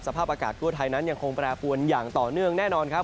สภาพอากาศทั่วไทยนั้นยังคงแปรปวนอย่างต่อเนื่องแน่นอนครับ